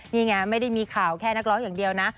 นี่ไงไม่ได้มีข่าวแค่นักร้องอย่างเดียวนะ